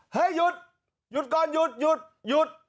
เฮ้ยหยุดหยุดก่อนหยุดหยุดหยุด